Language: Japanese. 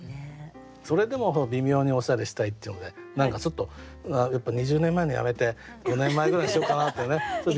それでも微妙におしゃれしたいっていうので何かちょっとやっぱ２０年前のやめて５年前ぐらいにしよっかなってね